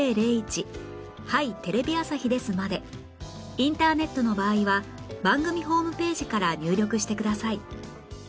インターネットの場合は番組ホームページから入力してください